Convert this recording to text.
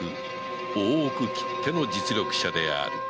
大奥きっての実力者である